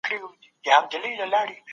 که په بازار کې خواړه پټ نه وي.